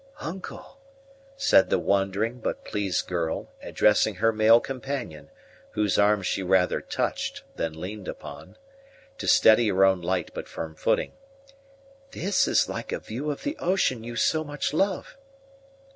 "Uncle," said the wondering, but pleased girl, addressing her male companion, whose arm she rather touched than leaned on, to steady her own light but firm footing, "this is like a view of the ocean you so much love!"